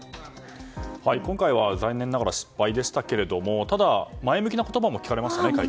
今回は残念ながら失敗でしたがただ前向きな言葉も見られましたね。